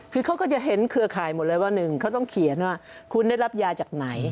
คือเขาก็จะเห็นเครือข่ายหมดเลยว่าหนึ่งเขาต้องเขียนว่าคุณได้รับยาจากไหน